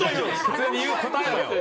普通に答えろよ。